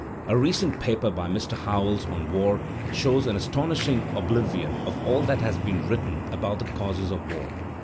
A recent paper by Mr. Howells on war shows an astonishing oblivion of all that has been written about the causes of war.